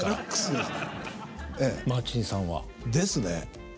マーチンさんは。ですね。